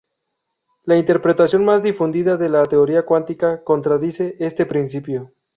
La interpretación más difundida de la teoría cuántica, contradice este principio.